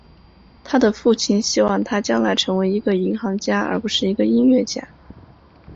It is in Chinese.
他的父亲希望他将来成为一个银行家而不是一个音乐家。